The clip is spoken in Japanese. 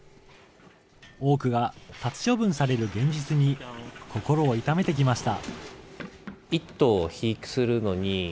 多くが殺処分される現実に、心を痛めてきました。